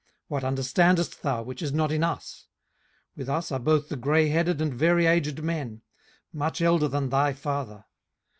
what understandest thou, which is not in us? 18:015:010 With us are both the grayheaded and very aged men, much elder than thy father.